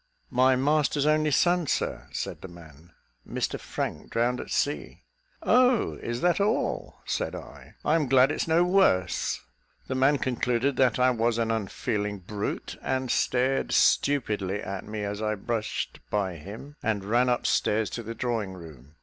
"My master's only son, Sir," said the man, "Mr Frank, drowned at sea." "Oh! is that all?" said I, "I am glad it's no worse." The man concluded that I was an unfeeling brute, and stared stupidly at me as I brushed by him and ran up stairs to the drawing room.